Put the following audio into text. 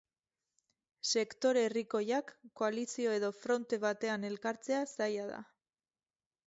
Sektore herrikoiak koalizio edo fronte batean elkartzea zaila da.